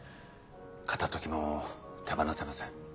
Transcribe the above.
片時も手放せません。